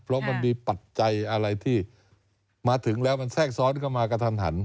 เพราะมันมีปัจจัยอะไรที่มาถึงแล้วมันแทรกซ้อนเข้ามากระทันหัน